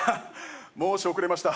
申し遅れました